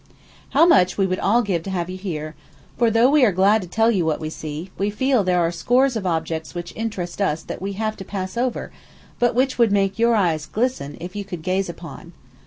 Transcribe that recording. How much we would all give to have you here; for, though we are glad to tell you what we see, we feel there are scores of objects which interest us that we have to pass over, but which would make your eyes glisten, if you could gaze upon.